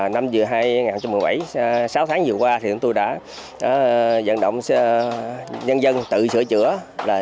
năm vừa hai nghìn một mươi bảy sáu tháng vừa qua thì chúng tôi đã dẫn động nhân dân tự sửa chữa